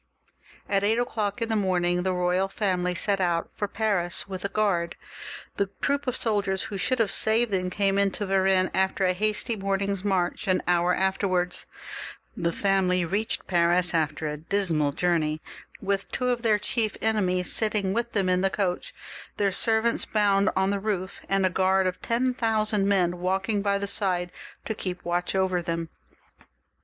At eight o'clock in the morning the royal family set out for Paris with a guard ; the troop of soldiers who should have saved them, came into Varennes after a hasty morning's march an hour after they had left it. They reached Paris after a dismal journey with two of their chief enemies sitting with them in the coach, their servants bound on the roof, and a guard of ten thousand men walk ing by the side to keep watch over them.